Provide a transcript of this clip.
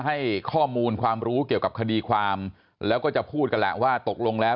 ให้ข้อมูลความรู้เกี่ยวกับคดีความแล้วก็จะพูดกันแหละว่าตกลงแล้ว